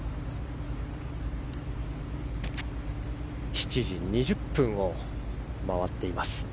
７時２０分を回っています。